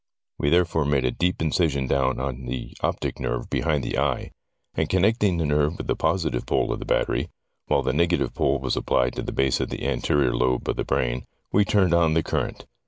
We therefore made a deep incision down on to the optic nerve behind the eye, and connecting the nerve with the positive pole of the battery, while the negative pole was applied to the base of the anterior lobe of the brain, we turned on the current.